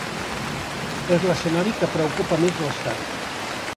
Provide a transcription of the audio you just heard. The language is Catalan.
És l’escenari que preocupa més l’estat.